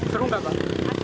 seru gak pak